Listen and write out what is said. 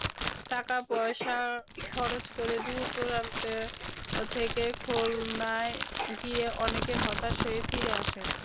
টাকাপয়সা খরচ করে দূরদূরান্ত থেকে খুলনায় গিয়ে অনেকে হতাশ হয়ে ফিরে আসেন।